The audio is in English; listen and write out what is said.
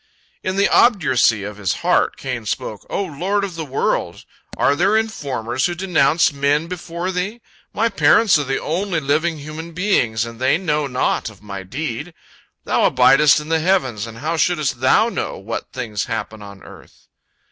In the obduracy of his heart, Cain spake: "O Lord of the world! Are there informers who denounce men before Thee? My parents are the only living human beings, and they know naught of my deed. Thou abidest in the heavens, and how shouldst Thou know what things happen on earth?"